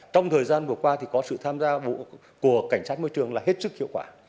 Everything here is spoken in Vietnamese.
trong thời gian vừa qua thì có sự tham gia của cảnh sát môi trường là hết sức hiệu quả